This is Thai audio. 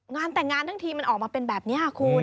งานแต่งงานทั้งทีมันออกมาเป็นแบบนี้คุณ